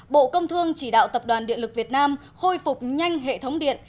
bộ công thương chỉ đạo tập đoàn điện lực việt nam khôi phục nhanh hệ thống điện